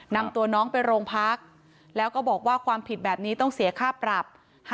นำตัวน้องไปโรงพักแล้วก็บอกว่าความผิดแบบนี้ต้องเสียค่าปรับ